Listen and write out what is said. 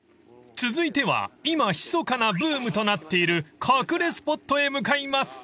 ［続いては今ひそかなブームとなっている隠れスポットへ向かいます］